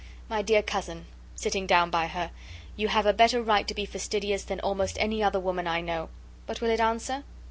My dear cousin" (sitting down by her), "you have a better right to be fastidious than almost any other woman I know; but will it answer?